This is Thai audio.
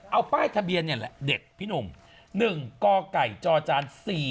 เอาป้ายทะเบียนนี่แหละเด็กพี่หนุ่ม๑กไก่จจ๔๔